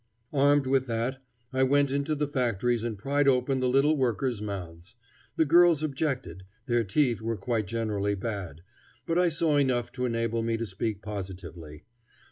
Armed with that I went into the factories and pried open the little workers' mouths. The girls objected: their teeth were quite generally bad; but I saw enough to enable me to speak positively.